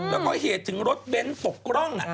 แล้วก็เหตุถึงรถเบ้นตกร่อง